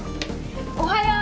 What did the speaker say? おはよう！